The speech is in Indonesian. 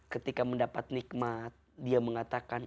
ketika mendapat nikmat dia mengatakan